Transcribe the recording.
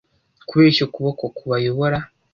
kubeshya ukuboko kubayobora